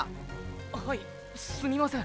あはいすいません。